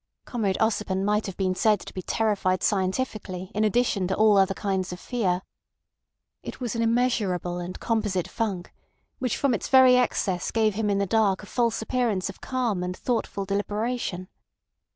Comrade Ossipon might have been said to be terrified scientifically in addition to all other kinds of fear. It was an immeasurable and composite funk, which from its very excess gave him in the dark a false appearance of calm and thoughtful deliberation.